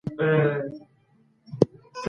پلار مخکي لا خپلو زامنو ته د رښتينولۍ درس ورکړی و.